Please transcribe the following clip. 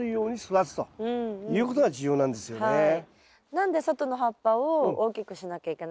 何で外の葉っぱを大きくしなきゃいけないんですか？